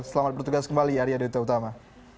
selamat bertugas kembali arya dita utama